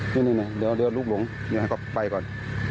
เนี่ยเนี่ยเนี่ยเดี๋ยวเดี๋ยวลุกลงเดี๋ยวให้เขาไปก่อน